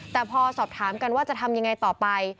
แต่พอสอบถามกันว่าจะทำยังไงต่อไป